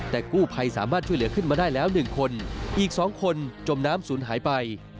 แต่กู้ภัยสามารถช่วยเหลือขึ้นมาได้แล้ว๑คนอีก๒คนจมน้ำศูนย์หายไป